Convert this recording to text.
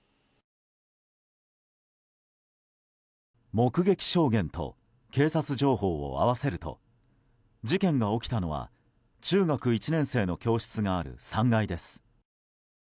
目撃証言と警察情報を合わせると事件が起きたのは中学１年生の教室がある３階です。